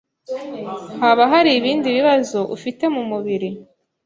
haba hari ibindi bibazo ufite mu mubiri.